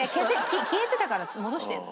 消えてたから戻してるの。